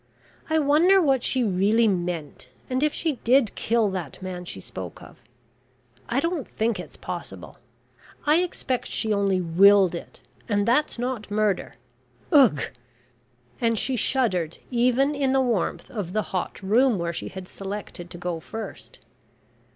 I wonder what she really meant, and if she did kill that man she spoke of. I don't think it's possible. I expect she only willed it, and that's not murder. Ugh!" and she shuddered even in the warmth of the hot room where she had selected to go first.